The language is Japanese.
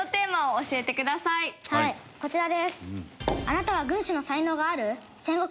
はいこちらです。